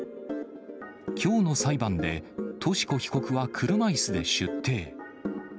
きょうの裁判で、とし子被告は車いすで出廷。